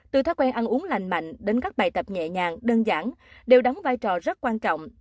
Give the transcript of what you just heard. từ thói quen ăn uống lành mạnh đến các bài tập nhẹ nhàng đơn giản đều đóng vai trò rất quan trọng